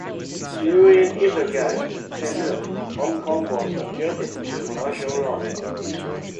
During Isogai's tenure, Hong Kong was subjected to martial law.